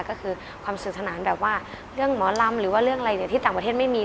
ก็คือความสนุกสนานแบบว่าเรื่องหมอลำหรือว่าเรื่องอะไรที่ต่างประเทศไม่มี